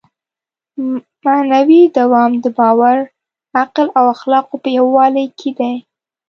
معنوي دوام د باور، عقل او اخلاقو په یووالي کې دی.